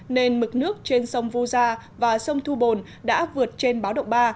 nên mực nước trên sông vu gia và sông thu bồn đã vượt trên báo động ba